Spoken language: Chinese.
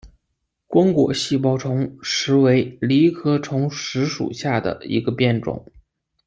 光果细苞虫实为藜科虫实属下的一个变种。